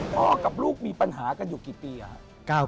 พ่อกับลูกมีปัญหากันอยู่กี่ปีครับ